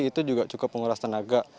itu juga cukup menguras tenaga